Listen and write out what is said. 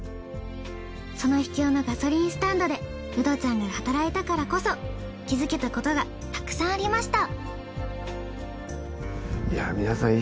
その秘境のガソリンスタンドでウドちゃんが働いたからこそ気づけたことがたくさんありました。